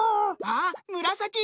あっむらさき！